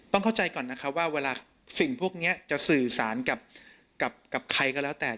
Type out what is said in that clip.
เข้าใจก่อนนะครับว่าเวลาสิ่งพวกนี้จะสื่อสารกับใครก็แล้วแต่